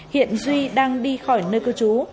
hiện duy đang đi khỏi nơi cư trú